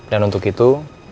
dan untuk itu